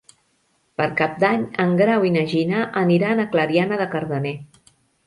Per Cap d'Any en Grau i na Gina aniran a Clariana de Cardener.